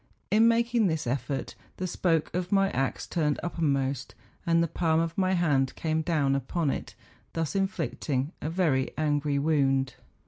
In making this effort, the spoke of my axe turned uppermost, and the palm of my hand came down upon it, thus inflicting a very angry wound.